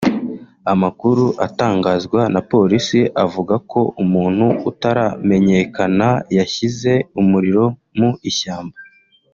Amakuru atangazwa na polisi avuga ko umuntu utaramenyekana yashyize umuriro mu ishyamba